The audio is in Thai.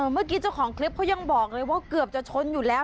เมื่อกี้เจ้าของคลิปเขายังบอกเลยว่าเกือบจะชนอยู่แล้ว